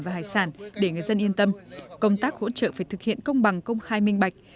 và hải sản để người dân yên tâm công tác hỗ trợ phải thực hiện công bằng công khai minh bạch